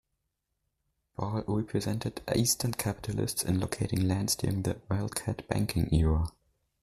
Ball represented eastern capitalists in locating lands during the "wildcat banking" era.